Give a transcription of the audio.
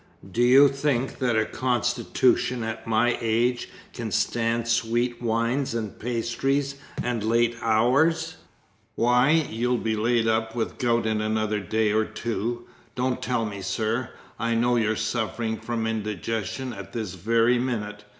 Do you think that a constitution at my age can stand sweet wines and pastry, and late hours? Why, you'll be laid up with gout in another day or two. Don't tell me, sir. I know you're suffering from indigestion at this very minute.